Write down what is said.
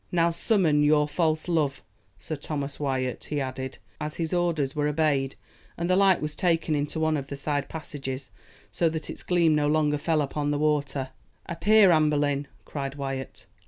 "Now summon your false love, Sir Thomas Wyat," he added, as his orders were obeyed, and the light was taken into one of the side passages, so that its gleam no longer fell upon the water. "Appear, Anne Boleyn!" cried Wyat.